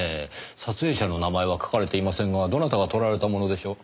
撮影者の名前は書かれていませんがどなたが撮られたものでしょう？